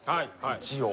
一応。